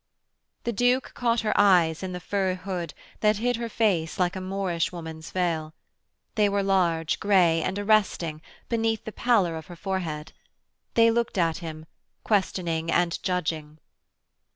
The Duke caught her eyes in the fur hood that hid her face like a Moorish woman's veil. They were large, grey and arresting beneath the pallor of her forehead. They looked at him, questioning and judging.